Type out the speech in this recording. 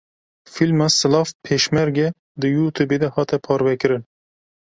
Fîlma Silav Pêşmerge di Youtubeê de hate parvekirin.